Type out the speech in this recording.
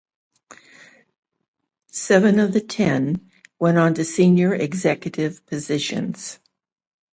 Seven of the ten went on to senior executive positions.